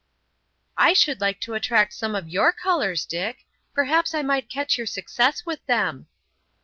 "I should like to attract some of your colours, Dick. Perhaps I might catch your success with them."